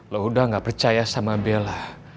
loh udah gak percaya sama bella